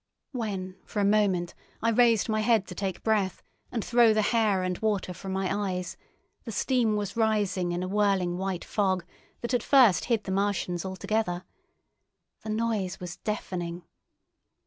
When for a moment I raised my head to take breath and throw the hair and water from my eyes, the steam was rising in a whirling white fog that at first hid the Martians altogether. The noise was deafening.